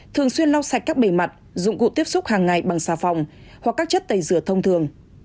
thường xuyên lau sạch các bề mặt dụng cụ tiếp xúc hàng ngày bằng xà phòng hoặc các chất tẩy rửa thông thường